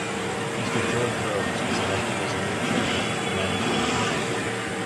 Mister George Rhodes was elected as the new chairman of the Management Committee.